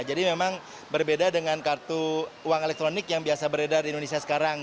jadi memang berbeda dengan kartu uang elektronik yang biasa beredar di indonesia sekarang